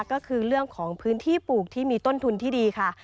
ก็คือเรื่องของพื้นที่ปลูกที่มีต้นทุนที่ดีค่ะ